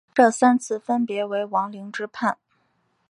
这三次分别为王凌之叛。